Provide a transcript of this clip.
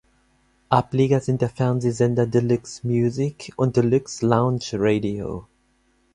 Ableger sind der Fernsehsender "Deluxe Music" und "Deluxe Lounge Radio".